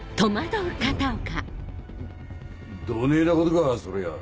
どねぇなことかそりゃ。